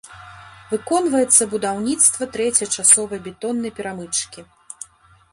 Выконваецца будаўніцтва трэцяй часовай бетоннай перамычкі.